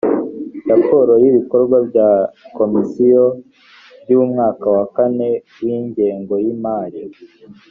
raporo y ibikorwa bya komisiyo by umwaka wa kane wingengo yimari